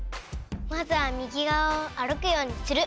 まずは右がわを歩くようにする。